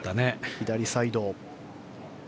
左サイド。